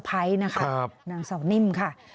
มึงอยากให้ผู้ห่างติดคุกหรอ